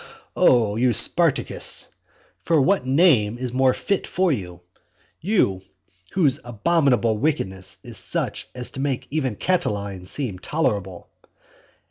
O you Spartacus! for what name is more fit for you? you whose abominable wickedness is such as to make even Catiline seem tolerable.